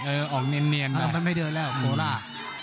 เออออกเนียนแบบนั้นไม่เดินแล้วโกล่า